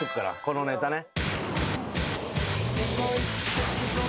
このネタね。